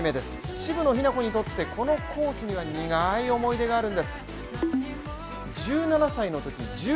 渋野日向子にとってこのコースには苦い思い出があるんです。